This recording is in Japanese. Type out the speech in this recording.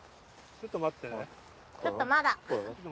ちょっと待って。